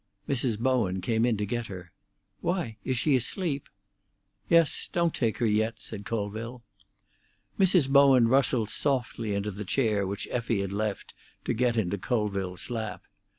Mrs. Bowen came in to get her. "Why, is she asleep?" "Yes. Don't take her yet," said Colville. Mrs. Bowen rustled softly into the chair which Effie had left to get into Colville's lap.